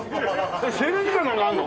制限時間なんかあるの！？